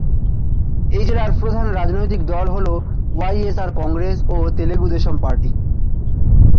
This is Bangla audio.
এই জেলার প্রধান রাজনৈতিক দল হল ওয়াইএসআর কংগ্রেস ও তেলুগু দেশম পার্টি।